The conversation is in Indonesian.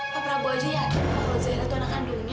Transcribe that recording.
pak prabu aja yakin kalau zahira itu anak kandungnya